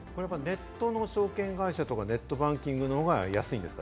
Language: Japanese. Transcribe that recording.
ネットの証券会社、ネットバンキングの方が安いんですか？